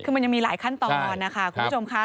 คือมันยังมีหลายขั้นตอนนะคะคุณผู้ชมค่ะ